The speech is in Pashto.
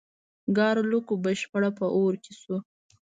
ګارلوک بشپړ په اور کې شو.